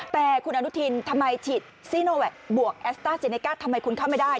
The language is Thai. แต่คุณอนุทินทำไมฉีดซีโนแวคบวกแอสต้าเจเนก้าทำไมคุณเข้าไม่ได้